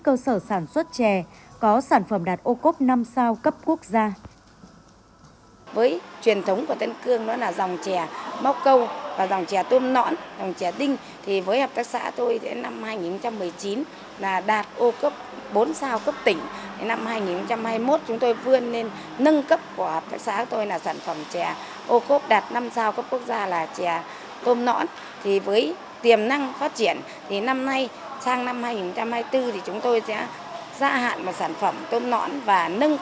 các cơ sở sản xuất chè có sản phẩm đạt ô cốc năm sao cấp quốc gia